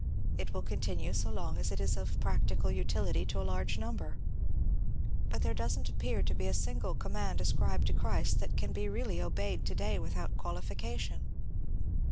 It will continue so long as it is of practical utility to a large number. But there does n't appear to be a single command ascribed to Christ that can be really obeyed to day without qualification."